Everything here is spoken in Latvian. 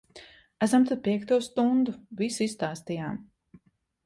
Esam te piekto stundu. Visu izstāstījām.